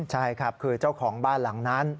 ใช่ครับคือเจ้าของบ้านหลังนั้น